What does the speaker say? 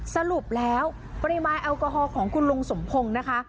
สรุปแล้วปริมาณแอลกอฮอลของคุณลุงสมพงศ์นะคะ